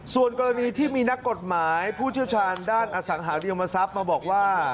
ส่วนกรณีที่มีนักกฎหมายผู้เชี่ยวชาญด้านอสังหาริมทรัพย์มาบอกว่า